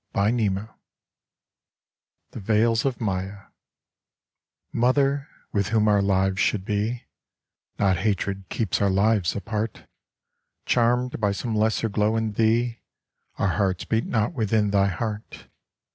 59 Cfte Hfftilti 0f MOTHER, with whom our lives should be, Not hatred keeps our lives apart : Charmed by some lesser glow in thee, Our hearts beat not within thy heart.